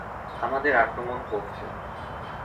আমাদের আক্রমণ করেছে!